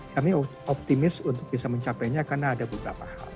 kami optimis untuk bisa mencapainya karena ada beberapa hal